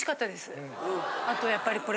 あとやっぱりこれ。